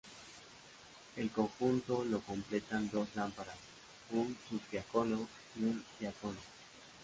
El conjunto lo completan dos lámparas, un subdiácono, un diácono.